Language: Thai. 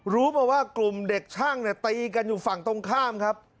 รู้มาว่ากลุ่มเด็กช่างเนี่ยตีกันอยู่ฝั่งตรงข้ามครับ